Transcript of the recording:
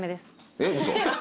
えっ嘘。